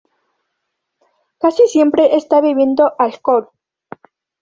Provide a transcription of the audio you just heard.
Casi siempre está bebiendo alcohol.